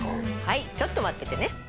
ちょっと待っててね。